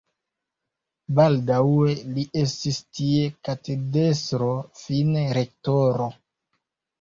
Baldaŭe li estis tie katedrestro, fine rektoro.